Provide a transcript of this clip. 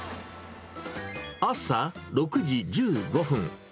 朝６時１５分。